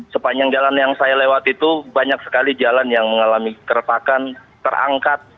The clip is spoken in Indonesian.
sepanjang jalan yang saya lewati itu banyak sekali jalan yang mengalami keretakan terangkat